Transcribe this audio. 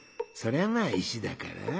「それはまあいしだから」。